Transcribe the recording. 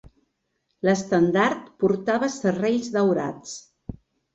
L'estendard portava serrells daurats.